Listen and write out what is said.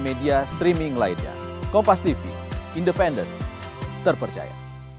media streaming lainnya kompas tv independen terpercaya